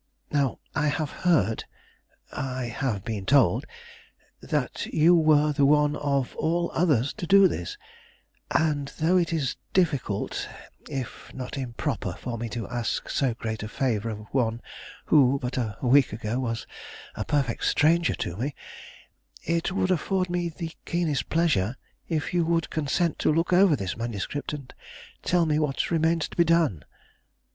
Now I have heard, I have been told, that you were the one of all others to do this; and though it is difficult if not improper for me to ask so great a favor of one who but a week ago was a perfect stranger to me, it would afford me the keenest pleasure if you would consent to look over this manuscript and tell me what remains to be done."